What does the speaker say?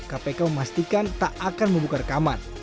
kpk memastikan tak akan membuka rekaman